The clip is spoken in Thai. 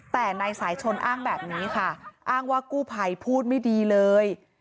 แต่นายสายชนอ้างแบบนี้ค่ะอ้างว่ากู้ภัยพูดไม่ดีเลย